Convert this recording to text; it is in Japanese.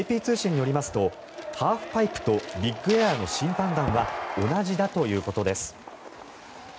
ＡＰ通信によりますとハーフパイプとビッグエアの審判団は同じだということです。